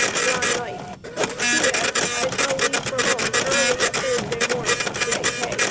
JOHN KNIGHT. P.S. I shall leave for home eirley a Thursday moring. J.